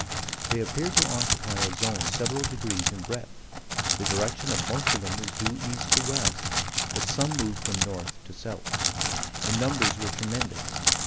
They appeared to occupy a zone several degrees in breadth. The direction of most of them was due east to west, but some moved from north to south. The numbers were tremendous.